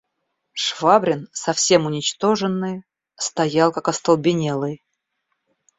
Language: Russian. Швабрин, совсем уничтоженный, стоял как остолбенелый.